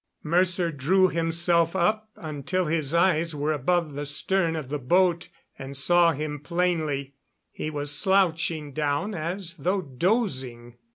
Mercer drew himself up until his eyes were above the stern of the boat and saw him plainly. He was slouching down as though dozing.